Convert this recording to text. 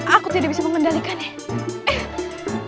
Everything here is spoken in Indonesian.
aku tidak bisa mengendalikannya